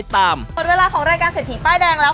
ถามกันเล่น